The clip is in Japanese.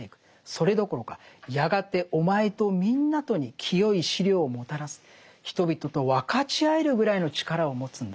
それどころかやがてお前とみんなとに聖い資糧をもたらす人々と分かち合えるぐらいの力を持つんだと。